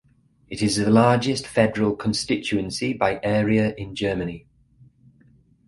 It is the largest federal constituency by area in Germany.